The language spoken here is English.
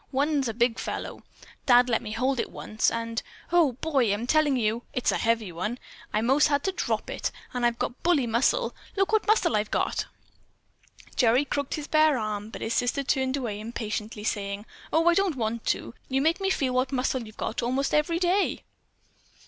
One's a big fellow! Dad let me hold it once, and, Oh, boy, I'm telling you it's a heavy one. I most had to drop it, and I've got bully muscle. Look at what muscle I've got!" Gerry crooked his bare arm, but his sister turned away impatiently, saying: "Oh, I don't want to! You make me feel what muscle you've got most every day."